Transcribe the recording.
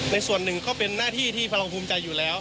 ส่วนหนึ่งก็เป็นหน้าที่ที่พลังภูมิใจอยู่แล้ว